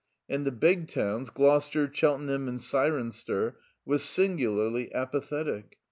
And the big towns, Gloucester, Cheltenham and Cirencester, were singularly apathetic.